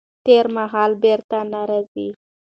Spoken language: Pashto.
تېر مهال به بیرته نه راځي.